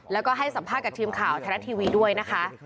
แล้วก็ให้สัมภาษณ์กับทีมข่าวไทยรัฐทีวีด้วยนะคะ